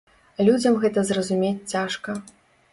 Людзям гэта зразумець цяжка.